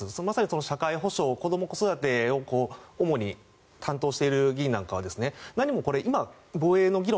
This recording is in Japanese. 社会保障子ども、子育てを主に担当している議員なんかは何も今、防衛の議論